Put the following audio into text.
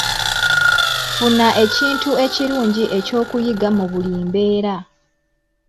Funa ekintu ekirungi eky'okuyiga mu buli mbeera.